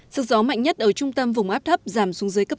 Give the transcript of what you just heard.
sức gió mạnh nhất ở trung tâm vùng áp thấp giảm xuống dưới cấp sáu